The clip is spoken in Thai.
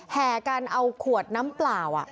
แห่กันเอาขวดน้ำเปล่า